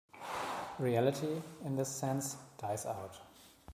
Reality, in this sense, "dies out".